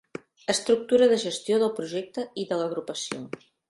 Estructura de gestió del projecte i de l'agrupació.